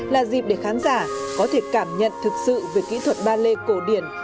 là dịp để khán giả có thể cảm nhận thực sự về kỹ thuật ballet cổ đời việt nam